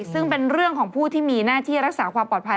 ซึ่งเป็นเรื่องของผู้ที่มีหน้าที่รักษาความปลอดภัย